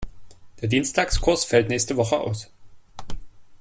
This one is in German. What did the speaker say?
Der Dienstagskurs fällt nächste Woche aus.